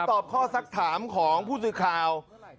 ตอบข้อสักถามของผู้สื่อข่าว